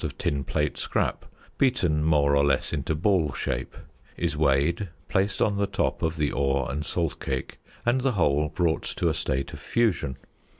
of tin plate scrap, beaten more or less into ball shape, is weighed, placed on the top of the ore and salt cake, and the whole brought to a state of fusion.